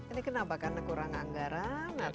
ini kenapa karena kurang anggaran